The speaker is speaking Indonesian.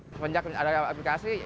semenjak ada aplikasi